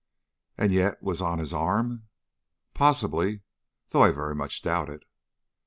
"And yet was on his arm?" "Possibly, though I very much doubt it."